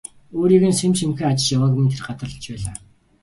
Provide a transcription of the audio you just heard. Өөрийг нь сэм сэмхэн ажиж явааг минь тэр гадарлаж байлаа.